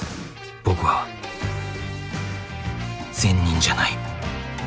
僕は善人じゃない。